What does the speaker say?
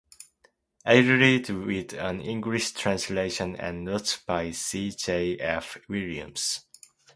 Edited with an English translation and notes by C. J. F. Williams.